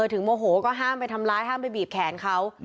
โมโหก็ห้ามไปทำร้ายห้ามไปบีบแขนเขา